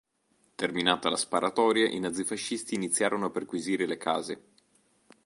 Terminata la sparatoria i nazifascisti iniziarono a perquisire le case.